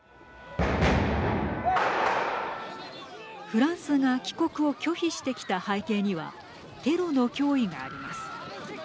フランスが帰国を拒否してきた背景にはテロの脅威があります。